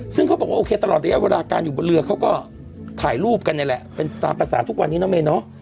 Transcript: ซึ่งเขาบอกว่าโอเคตลอดระยะเวลาการอยู่บนเรือเขาก็ถ่ายรูปกันนี่แหละเป็นตามภาษาทุกวันนี้เนาะเมย์เนาะ